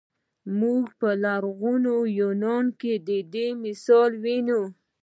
موږ په لرغوني یونان کې د دې مثال وینو.